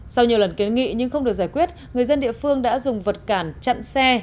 sau nhiều lần kiến nghị nhưng không được giải quyết người dân địa phương đã dùng vật cản chặn xe